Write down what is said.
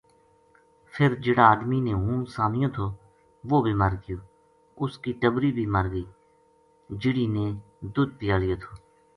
فر جہیڑا آدمی نے ہوں سامیو تھو وہ بے مر گیو اُس کی ٹبری بھی مر گئی جہیڑی نے دودھ پیالیو تھو